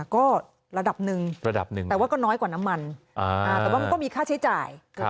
ก็ระดับหนึ่งระดับหนึ่งแต่ว่าก็น้อยกว่าน้ำมันแต่ว่ามันก็มีค่าใช้จ่าย